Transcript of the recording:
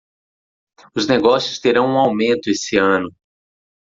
Os negócios terão um aumento esse ano.